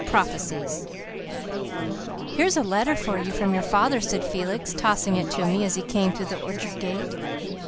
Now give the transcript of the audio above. PROPHECIES "Here's a letter for you from father," said Felix, tossing it to me as he came through the orchard gate.